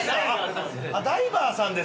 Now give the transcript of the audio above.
ダイバーさんですか。